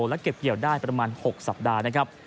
และเก็บเกี่ยวได้ประมาณ๖สัปดาห์นะครับ